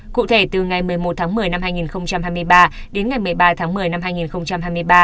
cụ thể từ ngày một mươi một tháng một mươi năm hai nghìn hai mươi ba đến ngày một mươi ba tháng một mươi năm hai nghìn hai mươi ba